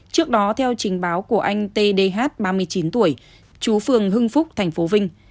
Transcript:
trước đó theo trình báo của anh t d h ba mươi chín tuổi chú phương hưng phúc tp vinh